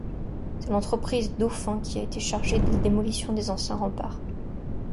C'est l'entreprise Dauphin qui a été chargée de la démolition des anciens remparts.